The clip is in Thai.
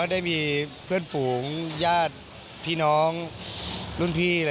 ได้มีเพื่อนฝูงญาติพี่น้องรุ่นพี่